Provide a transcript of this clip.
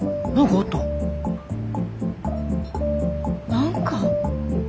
何か？